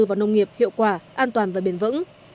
vào nông nghiệp hiệu quả an toàn và bền vững